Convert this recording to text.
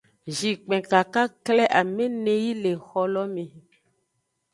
Zhinkpin kakakle amene yi le exo lo me.